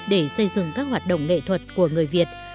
để xây dựng các hoạt động nghệ thuật của người việt